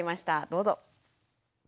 どうぞ。